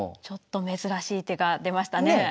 ちょっと珍しい手が出ましたね。